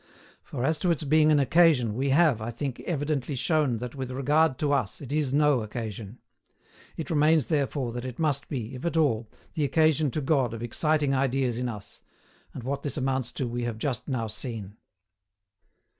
For, as to its being an occasion, we have, I think, evidently shown that with regard to us it is no occasion. It remains therefore that it must be, if at all, the occasion to God of exciting ideas in us; and what this amounts to we have just now seen.